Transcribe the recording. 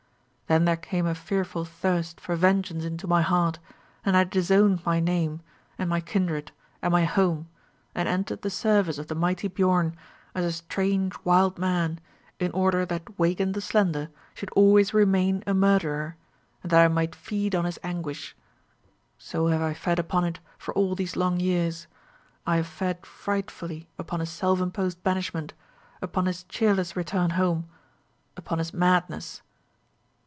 Then there came a fearful thirst for vengeance into my heart, and I disowned my name, and my kindred, and my home, and entered the service of the mighty Biorn, as a strange wild man, in order that Weigand the Slender should always remain a murderer, and that I might feed on his anguish. So have I fed upon it for all these long years; I have fed frightfully upon his self imposed banishment, upon his cheerless return home, upon his madness.